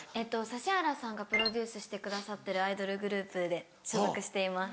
指原さんがプロデュースしてくださってるアイドルグループで所属しています。